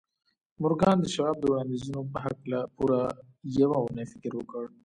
مورګان د شواب د وړانديزونو په هکله پوره يوه اونۍ فکر وکړ.